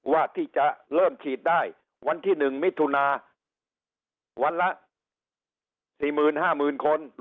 ว่าจะเริ่มฉีดได้วันที่๑มิถุนาวันละ๔๕๐๐๐คน